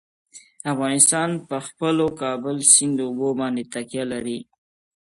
افغانستان په خپلو کابل سیند اوبو باندې تکیه لري.